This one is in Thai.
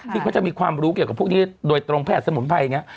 ที่เขาจะมีความรู้เกี่ยวกับพวกนี้โดยตรงแพทย์สมุนไพรอย่างนี้